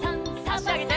あしあげて。